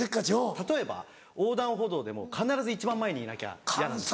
例えば横断歩道でも必ず一番前にいなきゃイヤなんです。